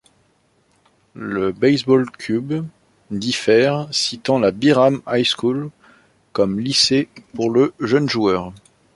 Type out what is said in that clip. Le baseball-cube diffère, citant la Byram High School comme lycée pour le jeune joueur.